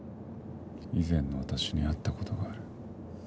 以前の私に会った事がある？